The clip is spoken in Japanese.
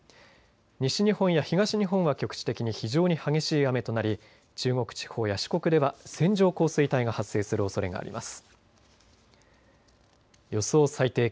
西日本や東日本は局地的に非常に激しい雨となり中国地方や四国では線状降水帯が発生するおそれがあります。